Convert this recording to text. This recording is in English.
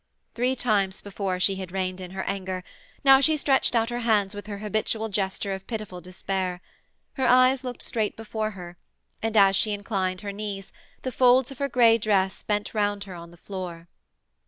Three times before she had reined in her anger: now she stretched out her hands with her habitual gesture of pitiful despair. Her eyes looked straight before her, and, as she inclined her knees, the folds of her grey dress bent round her on the floor.